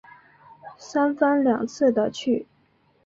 三番两次的去